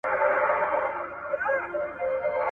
دوې هندوانې په يوه لاس کي نه نيول کېږي.